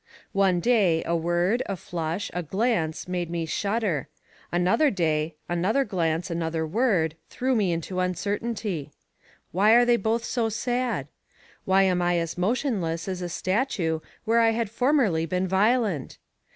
One day a word, a flush, a glance, made me shudder; another day, another glance, another word, threw me into uncertainty. Why are they both so sad? Why am I as motionless as a statue where I had formerly been violent?